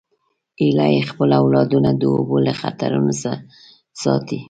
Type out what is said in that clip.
هیلۍ خپل اولادونه د اوبو له خطرونو ساتي